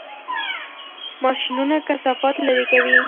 ماشینونه کثافات لرې کوي.